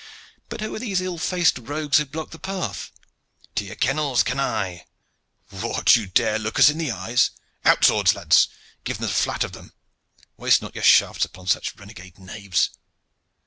But who are these ill faced rogues who block the path? To your kennels, canaille! What! you dare look us in the eyes? Out swords, lads, and give them the flat of them! Waste not your shafts upon such runagate knaves."